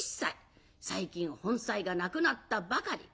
最近本妻が亡くなったばかり。